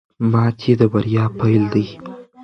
ماتې د بریا پیل دی.